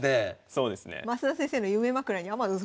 そうですね。